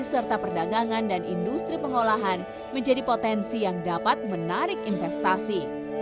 serta perdagangan dan industri pengolahan menjadi potensi yang dapat menarik investasi